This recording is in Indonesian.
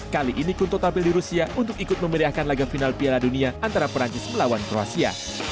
kali ini kunto tampil di rusia untuk ikut memeriahkan laga final piala dunia antara perancis melawan kroasia